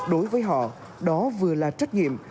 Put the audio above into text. đối với họ đó vừa là trách nhiệm